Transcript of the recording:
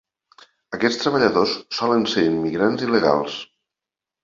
Aquests treballadors solen ser immigrants il·legals.